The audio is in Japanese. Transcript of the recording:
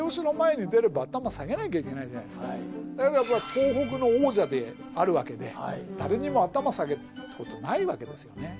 東北の王者であるわけで誰にも頭下げるってことないわけですよね。